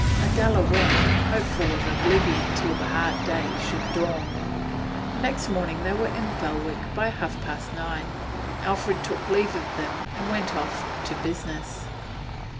Adela went, hopeful of oblivion till the 'hard day' should dawn. The next morning they were in Belwick by half past nine. Alfred took leave of them and went off to business.